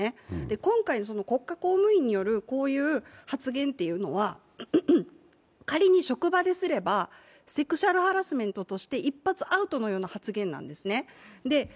今回、国家公務員によるこういう発言というのは、仮に職場ですれば、セクシャルハラスメントとして一発アウトのような発言なんですね。